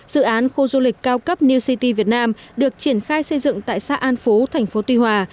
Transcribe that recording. dự án khu du lịch cao cấp new city việt nam được triển khai xây dựng tại xã an phú thành phố tuy hòa